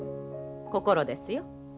心ですよ。